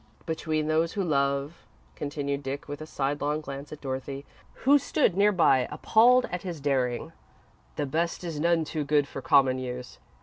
"Between those who love," continued Dick, with a sidelong glance at Dorothy, who stood near by, appalled at his daring, "the best is none too good for common use.